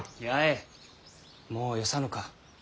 八重もうよさぬか。